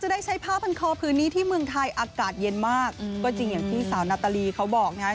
ได้ใช้ผ้าพันคอพื้นนี้ที่เมืองไทยอากาศเย็นมากก็จริงอย่างที่สาวนาตาลีเขาบอกนะฮะ